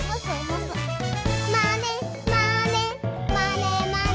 「まねまねまねまね」